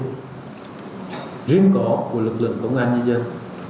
giá trị riêng có của lực lượng công an nhân dân